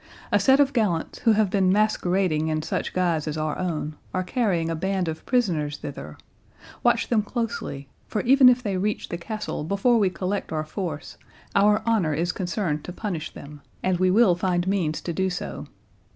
A set of gallants, who have been masquerading in such guise as our own, are carrying a band of prisoners thither—Watch them closely, for even if they reach the castle before we collect our force, our honour is concerned to punish them, and we will find means to do so.